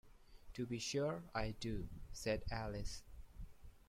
‘To be sure I do.’ said Alice.